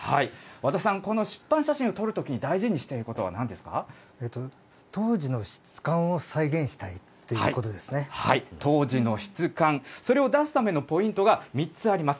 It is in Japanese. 和田さん、この湿板写真を撮るときに大事にしていることはな当時の質感を再現したいとい当時の質感、それを出すためのポイントが３つあります。